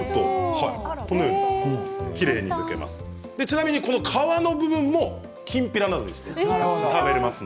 ちなみにこの皮の部分もきんぴらなどにして食べられます。